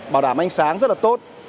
bảo đảm ánh sáng rất là tốt